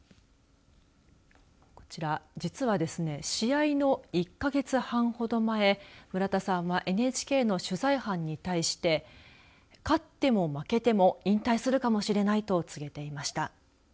こちら、実はですね試合の１か月半ほど前村田さんはＮＨＫの取材班に対して勝っても負けても引退するかもしれないと告げていました。